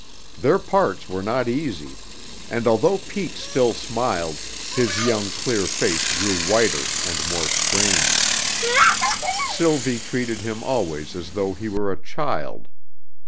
Their parts were not easy, and although Pete still smiled, his young clear face grew whiter and more strained. Sylvie treated him always as though he were a child.